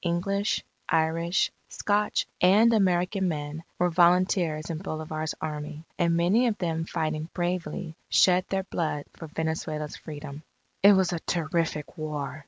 English, Irish, Scotch, and American men, were volunteers in Bolivar's Army, and many of them fighting bravely, shed their blood for Venezuela's Freedom. It was a terrific war!